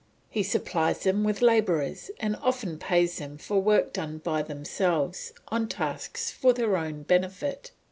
He supplies them with labourers, and often pays them for work done by themselves, on tasks for their own benefit.